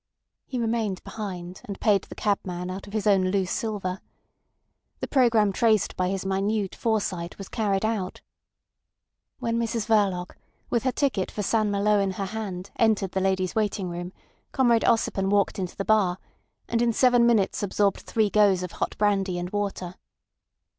He remained behind, and paid the cabman out of his own loose silver. The programme traced by his minute foresight was carried out. When Mrs Verloc, with her ticket for St Malo in her hand, entered the ladies' waiting room, Comrade Ossipon walked into the bar, and in seven minutes absorbed three goes of hot brandy and water.